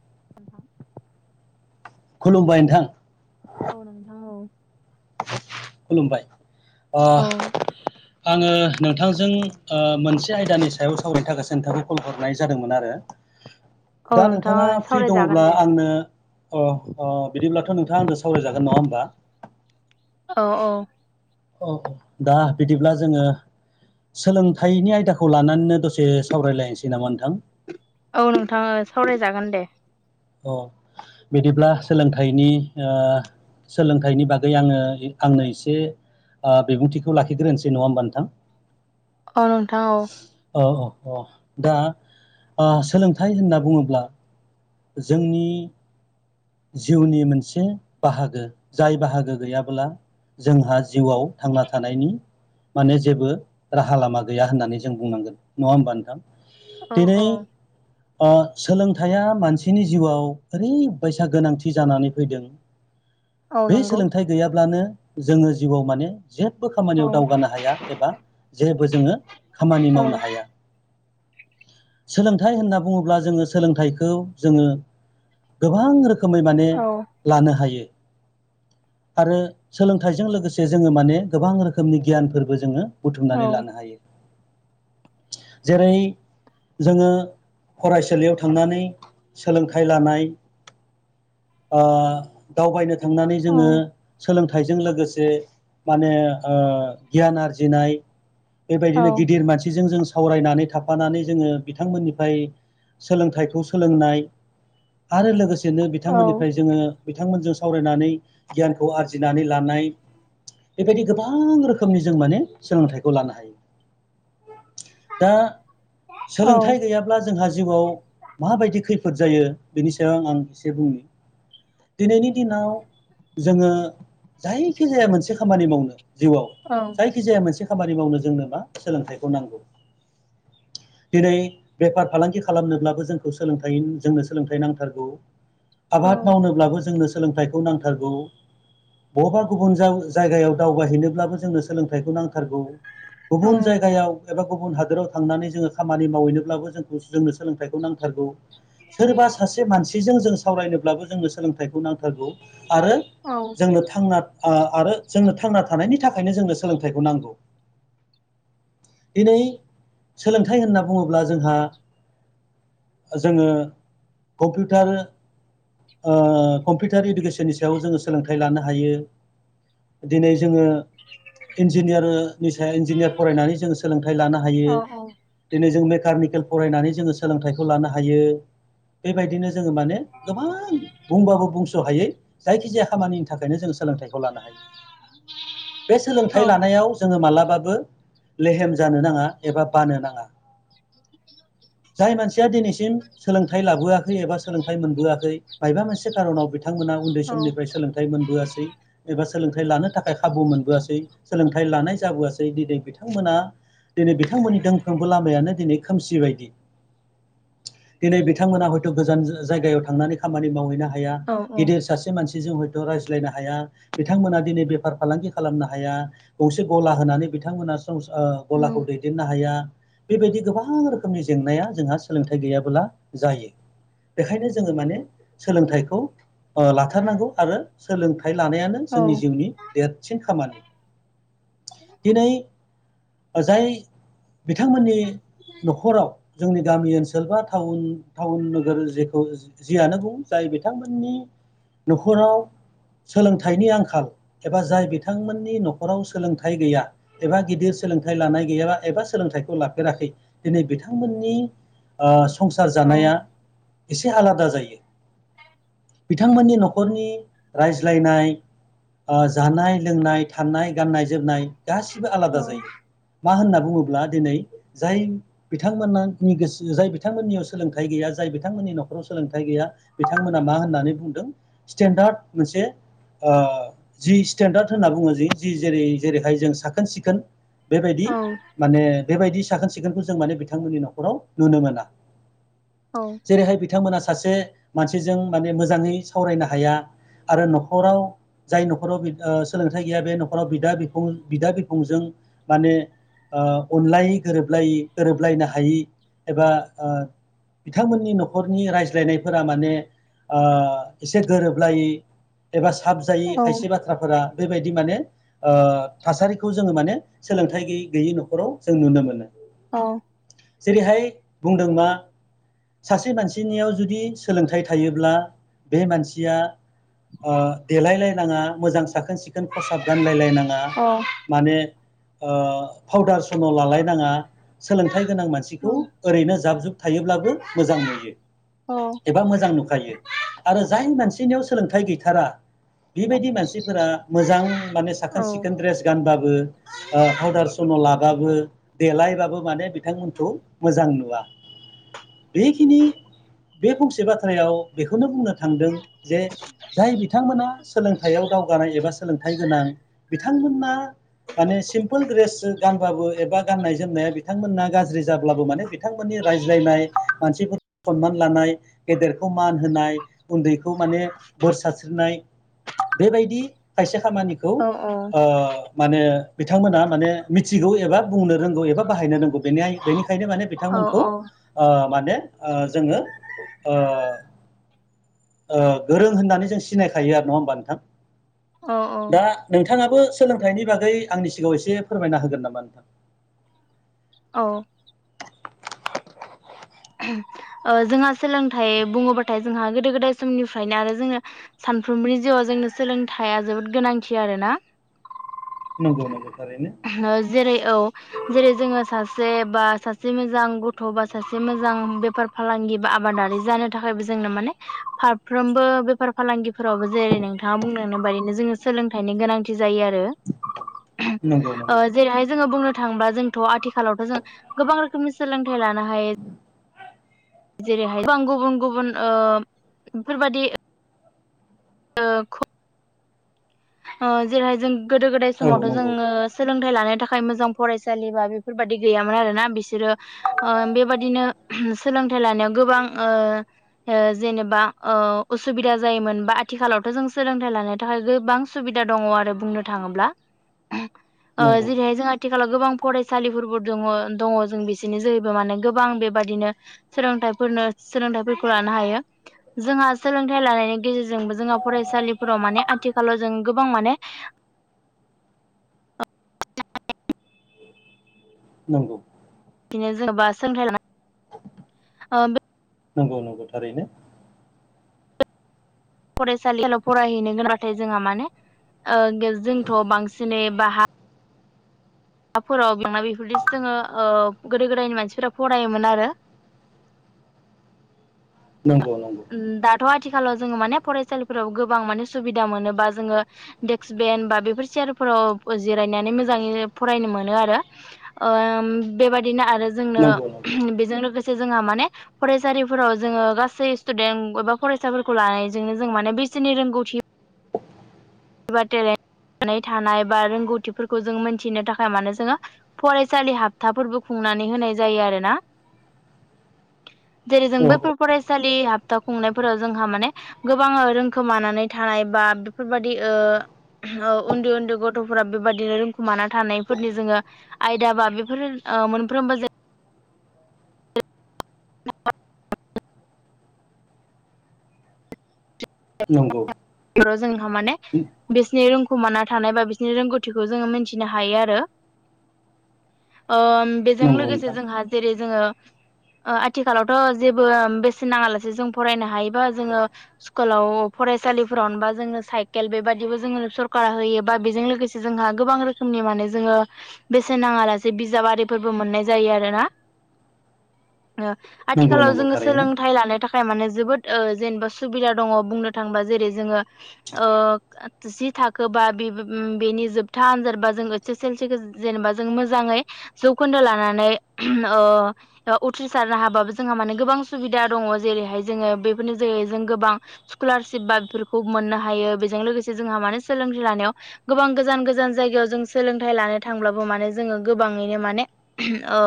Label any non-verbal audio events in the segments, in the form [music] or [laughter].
[inaudible] खुलुमबाय नोंथां औ नोंथां औ खुलुमबाय औ ओ आङो नोंथांजों ओ मोनसे आयदानि सायाव सावरायनो थाखायसो नोंथांखौ कल हरनाय जादोंमोन आरो औ दा नोंथां नोंथाङा फ्रि सावरायजागोन दङब्ला दे आंनो ओ ओ बिदिब्लाथ' नोंथां नोंथाङा आंदो सावरायजागोन नङा होमबा? औ औ औ दा बिदिब्ला जोङो सोलोंथाइनि आयदाखौ लानानैनो दसे सावरायलायनोसै नामा नोंथां? औ नोंथाङा सावरायजागोन दे। औ बिदिब्ला सोलोंथाइनि ओ सोलोंथाइनि बागै आङो आंनो एसे ओ बिबुंथिखौ लाखिग्रोनोसै नङा होमबा नोंथां? औ नोंथां औ अ दा ओ सोलोंथाइ होनना बुङोब्ला जोंनि जिउनि मोनसे बाहागो जाय बाहागो गैयाबोला जोंहा जिउआव थांना थानायनि माने जेबो राहा लामा गैया होननानै जों बुंनांगोन नङा होमबा नोंथां? औ औ। अ सोलोंथाइया मानसिनि जिउआव ओरैबायसा गोनांथि जानानै फैदों औ बे नंगौ सोलोंथाइ गैयाब्लानो जोङो जिउआव माने जेबो औ खामानियाव दावगानो हाया एबा जेबो जोङो खामानि औ मावनो हाया। सोलोंथाइ होनना बुङोब्ला जोङो सोलोंथाइखौ जोङो गोबां रोखोम रोखोमै माने औ लानो हायो। आरो सोलोंथाइजों लोगोसे जोङो माने गोबां रोखोमनि गियानफोरबो जोङो औ बुथुमनानै लानो हायो। [inaudible] जेरै जोङो फरायसालियाव थांनानै सोलोंथाइ लानाय ओ दावबायनो थांनानै औ जोङो सोलोंथाइजों लोगोसे माने ओ गियान आरजिनाय औ बेबायदिनो गिदिर मानसिजों जों सावरायनानै थाफानानै जोङो बिथांमोननिफ्राय सोलोंथाइखौ सोलोंनाय आरो लोगोसेनो औ बिथांमोननिफ्राय जोङो बिथांमोनजों सावरायनानै गियानखौ आरजिनानै लानाय बेबायदि गोबां रोखोमनि जों माने सोलोंथाइखौ लानो हायो। दा औ सोलोंथाइ औ गैयाब्ला जोंहा जिउआव माबायदि खैफोद जायो बेनि सायाव आं एसे बुंनि दिनैनि दिनाव जोङो जायखि जाया मोनसे खामानि मावनो जिउआव औ औ औ जायखिजाया मोनसे खामानि मावनो जोंनो मा सोलोंथाइखौ नांगौ [inaudible] दिनै बेफार फालांगि खालामनोब्लाबो जोंखौ सोलोंथाइ जोंनो सोलोंथाइ नांथारगौ आबाद मावनोब्लाबो जोंनो सोलोंथाइखौ नांथारगौ बबेबा गुबुन जायगायाव दावबायहैनोब्लाबो जोंनो सोलोंथाइखौ नांथारगौ गुबुन जायगायाव एबा गुबुन हादोराव थांनानै जोङो खामानि मावहैनोब्लाबो जोंखौ जोंनो सोलोंथाइखौ नांथारगौ। सोरबा सासे मानसिजों जों सावरायनोब्लाबो जोंनो सोलोंथाइखौ नांथारगौ। आरो जोंनो थांना आ- आरो जोंनो थांना थानायनि थाखायनो जोंनो सोलोंथाइखौ नांगौ। दिनै सोलोंथाइ होनना बुङोब्ला जोंहा जोङो कम्पिउटार ओ कम्पिउटार इडुकेस नि सायाव जोङो सोलोंथाइ लानो हायो। दिनै जोङो इन्जिनियार निसाय इन्जिनियार फरायनानै जोंङो सोलोंथाइ लानो हायो दिनै जों कार्निकेल फरायनानै जोङो सोलोंथाइखौ लानो हायो, बेबायदिनो जोङो माने गोबां बुंबाबो बुंस' हायै जायखि जाया खामानिनि थाखायनो जों सोलोंथाइखौ लानो हायो। बे सोलोंथाइ लानायाव जोङो मालाब बाबो लेहेम जानो नाङा एबा बानो नाङा। [inaudible] जाय मानसिया दिनैसिम सोलोंथाइ लाबोआखै एबा सोलोंथाइ मोनबोआखै माइबा मोनसे खारनाव बिथां थांमोना उन्दै समनिफ्राय सोलोंथाइ मोनबा एबा सोलोंथाइ लानो थाखाय खाबु मोनबोआसै सोलोंथाइ लानाय जाबोआसै दिनै बिथांमोना दिनै बिथांमोनि दोंफ्रोमबो लामायानो दिनै खोमसि बायदि। दिनै बिथांमोना हयथ' गोजान जायगायाव थांनानै खामानि मावहैनो हाया गिदिर सासे मानसि जजों हयथ' रायज्लायनो हाया बिथांमोना दिनै बेफार फालांगि खालामनो हाया गंसे गला होना बिथांमोना स ओ गलाखौ दैदेननो हाया। बेबायदि गोबां रोखोमनि जेंनाया जोंहा सोलोंथाइ गैयाबोला जायो। बेखायनो जोङो माने सोलोंथाइखौ ओ लाथ थारनांगौ आरो सोलोंथाइ लानायानो जोंनि जिउनि देदसिन खामानि। दिनै जाय बिथांमोननि न'खराव जोंनि गामि ओनसोल बा टाउन- टाउन नोगोर जेखौ जियानो बुं जाय बिथांमोननि न'खराव सोलोंथाइनि आंखाल, एबा जाय बिथांमोननि न'खराव सोलोंथाइ गैया, एबा गिदिर सोलोंथाइ लानाय गैयाबा एबा सोलोंथाइखौ लाफेराखै, दिनै बिथांमोननि ओ संसार जानाया एसे आलादा जायो। बिथांमोननि न' खरनि रायज्लायनाय ओ जानाय, लोंनाय थानाय, गाननाय, जोमनाय गासिबो आलादा जायो। मा होनना बुङोब्ला दिनै जाय बिथांमोना नि गोसो जाय बिथांमोननियाव सोलोंथाइ गैया जाय बिथां थांमोननि न'खराव सोलोंथाइ गैया बिथांमोना मा होननानै बुंदों स्टेन्डार्ड मोनसे ओ जि स्टेन्डार्ड होनना बुङो जे जि जेरै- जेरैहाय जों साखोन सिखोन बेबायदि माने बेबायदि साखोन सिखोनखौ जों माने बिथांमोननि न'खराव नुनो मोना। जेरैहाय बिथांमोना सासे मानसिजों माने मोजाङै सावरायनो हाया, आरो न'खराव जाय न'खराव सोलोंथाइ गैया बे न'खराव बिदा बिफं- बिदा बिफंजों माने ओ अनलायि गोरोबलायि गोरोबलायनो हायि एबा ओ बिथांमोननि न'खरनि रायज्लायनायफोरा माने ओ एसे गोरोबलायि एबा साब जायि खायसे बाथ्राफोरा बेबायदि माने थासारिखौ जोङो माने सोलोंथाइ गैयि- गैयि न'खराव जों नुनो मोनो। औ। जेरैहाय बुंदों मा सासे मानसिनियाव जुदि सोलोंथाइ थायोब्ला बे मानसिया ओ देलायलायनाङा मोजां साखोन सिखोन खसाब गानलायलायना ङा माने ओ फावदार सन' लालायनाङा, सोलोंथाइ थाइ गोनां मानसिखौ ओरैनो जाब जुब थायोब्लाबो मोजां नुयो। एबा मोजां नुखायो आरो जाय मानसिनियाव सोलोंथाइ गैथारा बेबायदि मानसिफोरा मोजां माने साखोन सिखोन द्रेस गानबाबो ओ फावउदार सन' लाबाबो देलायबाबो माने बिथांमोनखौ मोजां नुवा। बेखिनि बे फंसे बाथ्रायाव बेखौनो बुंनो थांदों, जे जाय बिथांमोना सोलोंथाइयाव दावगानाय एबा सोलोंथाइ गोनां बिथांमोना माने सिम्पोल ड्रेस गानबाबो एबा गाननाय जोमनाया बिथांमोना गाज्रि जाब्लाबो माने बिथांमोननि रायज्लायनाय मानसिखौ सनमान लानाय, गेदेरखौ मान होनाय, उन्दैखौ माने बोर सारस्रिनाय बेबायदि खायसे खामानिखौ ओ माने बिथांमोना माने मिथिगौ एबा बुंनो रोंगौ एबा बाहायनो रोंगौनि। बेनाय बेनिखायनो माने बिथांमोन अह अह। ओ माने ओ जोङो ओ ओ गोरों होननानै जों सिनायखायो आरो नङा होमबा नोंथां? औ दा नोंथाङाबो सोलोंथाइनि बागै आंनि सिगाङाव एसे फोरमायना होगोन नामा नोंथां? औ। ओ जोंहा सोलोंथाइ बुङोबाथाय जोंहा गोदो गोदाय समनिफ्रायनो आरो जोङो सानफ्रोमबोनि जिउआव जोंनो सोलोंथाइआ जोबोद गोनांथि आरोना। नंगौ नंगौ। थारैनो जेरै औ जेरै जोङो सा से बा सासे मोजां गथ' बा सासे मोजां बेफार फालांगि बा आबादारि जानो थाखायबो जों नो माने फारफ्रोमबो बेफार फालांगिफोरावबो जेरै नोंथाङा बुंलांनाय बादिनो जोङो सोलोंथाइनि गोनांथि जायो आरो। नंगौ ओ नंगौ। जेरैहाय जोङो बुंनो थाङोबा जोंथ' आथिखालावथ' जों गोबां रोखोमनि सोलोंथाइ लानो हायो। जेरैहाय गोबां गुबुं गुबुन ओ बेफोरबादि जेरैहाय जों गोदो गोदाय औ समावथ' नंगौ जोङो सो सोलोंथाइ लानो थाखाय मोजां फरायसालि बा बेफोर बादि गैयामोन आरोना। बिसोरो ओ बेबादिनो सोलोंथाइ लानायाव गोबां ओ ओ जेनेबा ओ असुबिदा जायोमोन बा आथिखालावथ' जों सोलोंथाइ लानो थाखाय गोबां सुबिदा दङ आरो बुंनो थाङोब्ला। ओ नंगौ जेरैहाय जोङो आथिखालाव गोबां फरायसालिफोरबो दङो दङ जों बिसिनि जोहैबो माने गोबां बेबादिनो सोलोंथाइ फोरनो सोलोंथाइफोरखौ लानो हायो जोंहा सोलोंथाइ लानायनि गेजेरजों जोंबो जोंहा फरायसालिफोराव माने आथिखालाव जों गोबां माने नंगौ। बिदिनो जेन'बा सोंथाइ ला [unintelligible] नंगौ नंगौ थारैनो। फरायसालिफोरलाव फरायहैनो गोनबाथाय जोंहा माने ओ जोंथ' बांसिनै बा हा हाफोराव [unintelligible] बेफोरदिसो जोङो गोदो गोदायनि मानसिफोरा फरायोमोन आरो। [unintelligible] नंगौ दाथ' आ थिखालाव जोङो माने फरायसालिफोराव गोबां माने सुबिदा मोनोबा जोङो देक्स बेन बा बेफोर सेेयार फोराव जिरायनानै मोजाङै फरायनो मोनो आरो। ओ बेबादिनो आ रो जोंनो नंगौ नंगौ बेजों लोगोसे जोंहा माने फरायसालिफोराव जोङो गासै स्टुडेन्ट एबा फरायसाफोरखौ लानायजोंनो जों माने बेसेनि रोंगौथि एबा टेले नानै थानाय बा रोंगौथिफोरखौ जों मोनथिनो थाखाय मानो जोङो फरायसालि हाबथाफोरबो खुं नानै होनाय जायो आरोना जरै जों औ बैफोर फरायस सालि हाबथा खुंनायफोराव जोंहा माने गोबां रोंखोमानानै थानाय बा बेफोरबा दि ओह ओ उन्दै उन्दै गथ'फोरा बेबायदिनो रोंखुमाना थानायफोरनि जोङो आयदा बा बेफोर ओ मोनफ्रोमबो जे [unintelligible] नंगौ। ओ जोंहा माने बिसोरनि रोंखुमाना थानाय बा बिसोरनि रोंगौथिखौ जोङो मिथिनो हायो आरो। उम बेजों नंगौ लोगोसे नोंथां जोंहा जेरै जोङो ओ आथिखालावथ' जेबो बेसेन नाङालासे जों फरायनो हायोबा जोङो स्कुलाव फरायसालिफोरावनो बा जोङो साइकेल बेबदिबो जोंनो सरकारा होयो बा बेजों लोगोसे जोंहा गोबां रोखोमनि माने जोङो बेसेन नाङा लासे बिजाब आरिफोरबो मोननाय जायो आरो ना। ओ‌ नंगौ आथिखालाव नंगौ जोङो थारैनो सोलोंथाइ लानो थाखाय माने जोबोद ओ जेनेबा सुबिदा दङ' बुंनो थाङोबा जेरै जोङो ओ‌ जि थाखोबा बेबो बेनि जोब था आनजादबा जों ओएस एस एलसिखो जेनेबा जों मोजाङै जौखोन्दो लानानै ओ ओ उथ्रिसारनो हाबाबो जोंहा माने गोबां सुबिदा दङ' जेरैहाय जोङो बेफोरनि जोहै जों गोबां स्कलारशिप बा बेफोरखौ मोननो हायो बेजों लोगोसे जोंहा माने सोलोंथाय लानायाव गोबां गोजान गोज जान जायगायाव जों सोलोंथाइ लानो थांब्लाबो माने जोङो गोबाङैनो माने ओ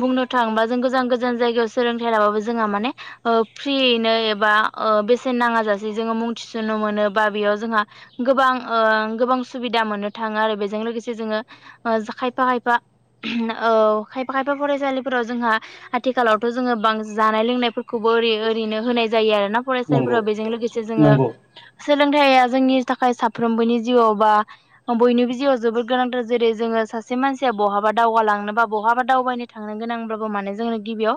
बुंनो थाङोबा जों गोजान गोजान जायगायाव सोलोंथाइ लाबाबो जोंहा माने ओ फ्रियैनो एबा ओ बेसेन नाङाजासे जोङो मुं थिसनो मोनो बा बेयाव जोंहा गोबां ओ गोबां सुबि दा मोननो थाङो आरो बेजों लोगोसे जोङो ओ खायफा खायफा औ खायफा खायफा फरायसालिफोराव जोंहा आथिखालावथ' जोङो बां जानाय लोंनायफोरखौबो ओरै ओरैनो होनाय जायो आरोना नंगौ फरायसालिफोराव बेजों लोगोसे जोङो नंगौ सोलोंथाइया जोंनि थाखाय साफ्रोमबोनि जिउआव बा बयनिबो जिउआव जोबोद गोनांथार जेरै जोङो सासे मानसिया बहाबा दावगालांनो बा बहाबा दावबायनो थांनो गोनांब्लाबो माने जोंनो गिबियाव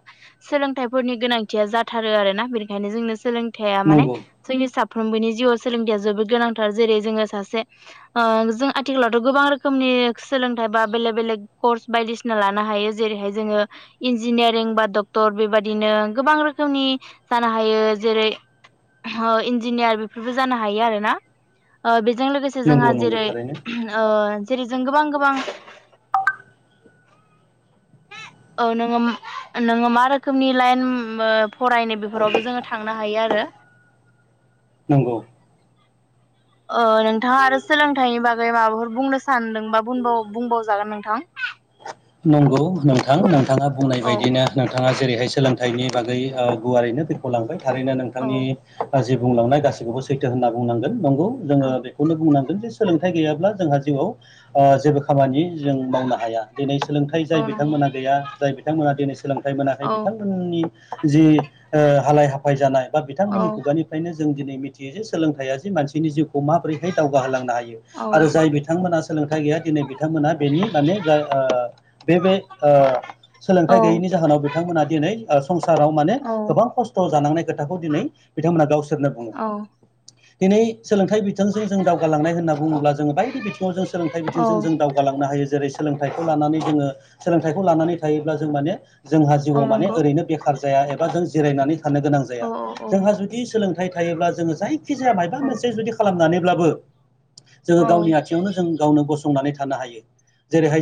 सोलों लोंथाइफोरनि गोनांथिया जाथारो आरोना बेनिखायनो जोंनो सोलोंथाइया माने नंगौ जोंनि साब फ्रोमबोनि जिउआव सोलोंथाइया जोबोद गोनांथार जेरै जोङो सासे ओ जों आथिखालावथ' गोबां रोखोमनि इक्स सोलोंथाइ बा बेलेग बेलेग कर्स बायदिसिना लानो हायो जेरैहाय जोङो इन्जिनियारिं बा डक्टर बेबादिनो गोबां रोखोमनि जानो हायो। जेरै ओ इन्जिनियार बेफोरबो जानो हायो आरोना ओ बेज जों लोगोसे नंगौ जोंहा नंगौ जेरै थारैनो ओ जेरै जों गोबां गोबां [inaudible] औ नोङो नोङो मा रोखोमनि लाइन ओ फरायनो बेफोरावबो जोङो थांनो हायो आरो। नंगौ। ओ नोंथाङा आरो सोलोंथाइनि बागै माबाफोर बुंनो सानदोंबा बुंबावो बुंबावजागोन नोंथां। [inaudible] नंगौ नोंथां नोंथाङा बुंनाय औ बायदिनो नोंथाङा जेरैहाय सोलोंथाइनि बागै ओ गुवारैनो बेखेव लांबाय थारैनो औ नोंथांनि गाजिब बुंलांनाय गासैखौबो सैथो होनना बुंनांगोन नंगौ जोङो बेखौनो बुंनांगोन जे सोलों थाइ गैयाब्ला जोंहा जिउआव ओ जेबो खामानि जों मावनो हाया। दिनै सोलोंथाइ औ जाय नंगौ बिथांमोना गैया जाय बिथांमोना दिनै सोलोंथाइ मोनाखै औ बिथांमोननि जि ओ हालाय हाफाय जानाय बा औ बिथांमोननि खुगानिफ्रायनो जों दिनै मिथियो जे सोलोंथाइया जे मानसिनि जिउखौ माबोरैहाय दावगाहोलांनो हायो औ आरो जाय बिथांमोना सोलोंथाइ गैया दिनै बिथांमोना बेनि माने जा ओ बे बे ओ औ सोलोंथाइ गैयैनि जाहोनाव बिथांमोना दिनै ओ संसाराव माने औ गोबां खस्थ' जानांनाय खोथाखौ दिनै बिथांमोना गावसोरनो बुङो औ दिनै सोलोंथाइ बिथिजों जों दावगालांनाय होनना बुङोब्ला जोङो बायदि बिथिङाव जों सोलोंथाइ औ बिथिंजों जों दावगालांनो हायो जेरै सोलोंथाइखौ लानानै जोङो सोलोंथाइखौ लानानै थायोब्ला जों माने जोंहा औ जिउआव माने नंगौ ओरैनो बेखार जाया एबा जों जिरायनानै थानो गोनां औ जाया जोंहा जुदि सोलोंथाइ थायोब्ला जोङो जायखि जाया मबा औ मोनसे जुदि खालामनानै ब्लाबो जोङो औ गावनि आथिङावनो जों गावनो गसंनानै थानो हायो जेरैहाय